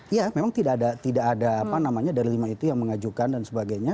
ya memang tidak ada dari lima itu yang mengajukan dan sebagainya